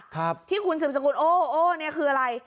ครับที่คุณสืบสกุลโอ้โอ้เนี่ยคืออะไร